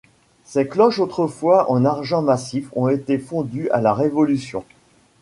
Ses cloches autrefois en argent massif ont été fondues à la Révolution.